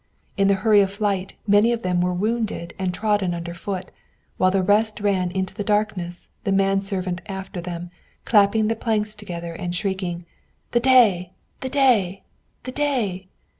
In the hurry of flight many were wounded and trodden under foot, while the rest ran into the darkness, the man servant after them, clapping the planks together and shrieking, "The day! the day! the day!"